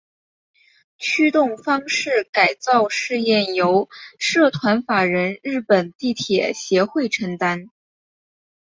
驱动方式改造试验由社团法人日本地铁协会承担。